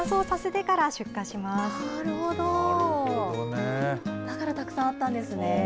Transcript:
だからたくさんあったんですね。